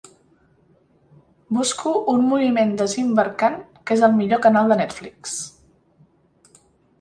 Busco un moviment d'Asim Brkan que és al millor canal de Netflix